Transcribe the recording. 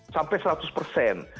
sampai seratus persen